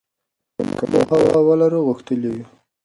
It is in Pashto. که موږ پوهه ولرو غښتلي یو.